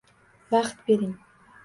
Vaqt bering.